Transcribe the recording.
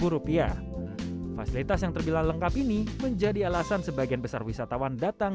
rp tiga ratus lima puluh fasilitas yang terbilang lengkap ini menjadi alasan sebagian besar wisatawan datang